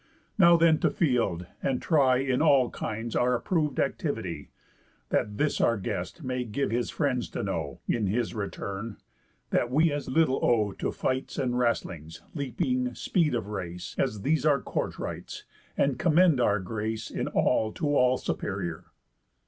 Now then to field, and try In all kinds our approv'd activity, That this our guest may give his friends to know, In his return, that we as little owe To fights and wrastlings, leaping, speed of race, As these our court rites; and commend our grace In all to all superior."